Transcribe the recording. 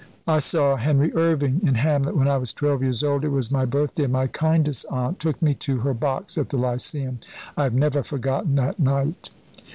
"I saw Henry Irving in 'Hamlet,' when I was twelve years old. It was my birthday, and my kindest aunt took me to her box at the Lyceum. I have never forgotten that night."